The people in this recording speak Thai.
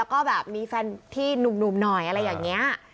ก็แบบมีแฟนที่หนุ่มหน่อยอะไรอย่างนี้